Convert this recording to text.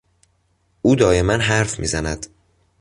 او دایما حرف میزند.